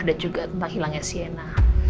dan juga tentang hilangnya sienna